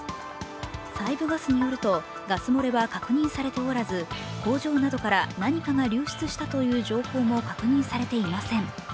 西部ガスによると、ガス漏れは確認されておらず、工場などから何かが流出したという情報も確認されていません。